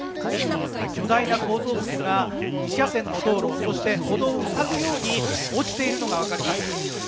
巨大な構造物が２車線の道路そして歩道を塞ぐように落ちているのがわかります。